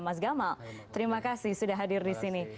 mas gamal terima kasih sudah hadir di sini